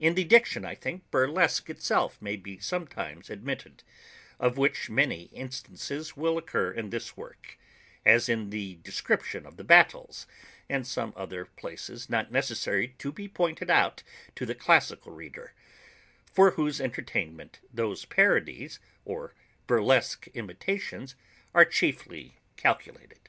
In the diction I think, burlesque itself may be sometimes admitted; of which many instances will occur in this work, as in the description of the battles, and some other places not necessary to be pointed out to the classical reader; for whose entertainment those parodies or burlesque imitations are chiefly calculated.